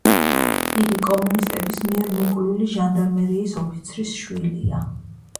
იგი კომუნისტების მიერ მოკლული ჟანდარმერიის ოფიცრის შვილია.